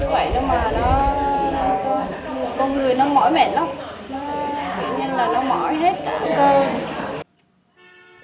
vậy đó mà nó con người nó mỏi mệt lắm nó tự nhiên là nó mỏi hết cả cơ